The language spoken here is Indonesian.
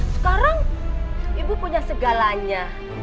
sekarang ibu punya segalanya